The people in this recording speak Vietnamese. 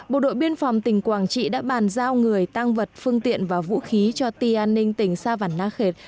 bộ đội biên phòng tỉnh quảng trị đã bàn giao người tăng vật phương tiện và vũ khí cho ti an ninh tỉnh sa văn na khệt